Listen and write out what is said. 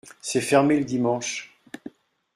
C’est fermé le dimanche.